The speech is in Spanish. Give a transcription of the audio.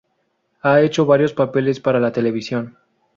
Ha hecho variados papeles para la televisión.